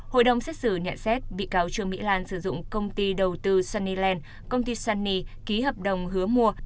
hội đồng xét xử nhận xét bị cáo trương mỹ lan sử dụng công ty đầu tư sunnyland công ty sunny ký hợp đồng hứa mua